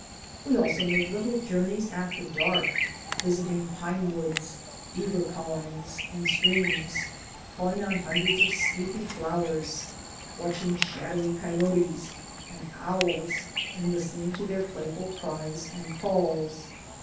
We also made little journeys after dark, visiting pine woods, beaver colonies, and streams; calling on hundreds of sleepy flowers; watching shadowy CHILDREN OF MY TRAIL SCHOOL 171 coyotes and owls and listening to their playful cries and calls.